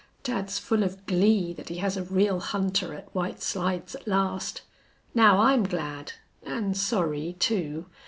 "Dad's full of glee that he has a real hunter at White Slides at last. Now I'm glad, and sorry, too.